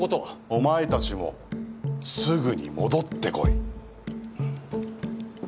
お前たちもすぐに戻ってこい。